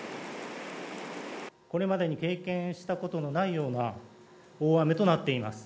これまでに経験したことのないような大雨となっています。